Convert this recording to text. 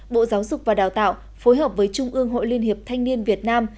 bộ giáo dục và đào tạo phối hợp với trung ương hội liên hiệp thanh niên việt nam